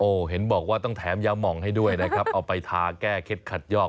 เห็นบอกว่าต้องแถมยามองให้ด้วยนะครับเอาไปทาแก้เคล็ดขัดยอก